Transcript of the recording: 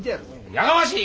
やかましい！